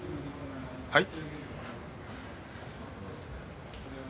はい？